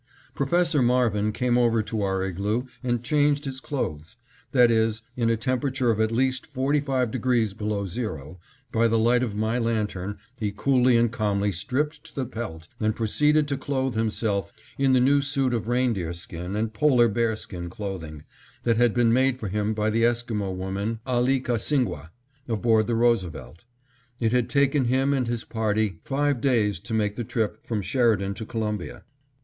Professor Marvin came over to our igloo and changed his clothes; that is, in a temperature of at least 45° below zero, by the light of my lantern he coolly and calmly stripped to the pelt, and proceeded to cloth himself in the new suit of reindeerskin and polar bearskin clothing, that had been made for him by the Esquimo woman, Ahlikahsingwah, aboard the Roosevelt. It had taken him and his party five days to make the trip from Sheridan to Columbia.